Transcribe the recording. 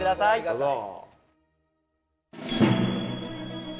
どうぞ。